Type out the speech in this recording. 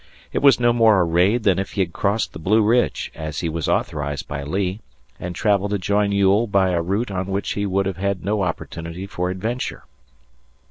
It was no more a raid than if he had crossed the Blue Ridge, as he was authorized by Lee, and travelled to join Ewell by a route on which he would have no opportunity for adventure.